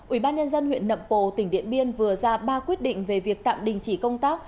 ủy ban nhân dân huyện nậm pồ tỉnh điện biên vừa ra ba quyết định về việc tạm đình chỉ công tác